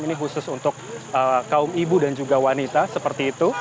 ini khusus untuk kaum ibu dan juga wanita seperti itu